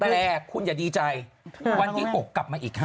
แต่คุณอย่าดีใจวันที่๖กลับมาอีก๕